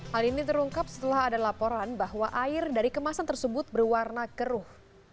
hal ini terungkap setelah ada laporan bahwa air dari kemasan tersebut berwarna keruh